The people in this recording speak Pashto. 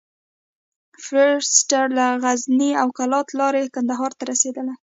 فورسټر له غزني او قلات لاري کندهار ته رسېدلی.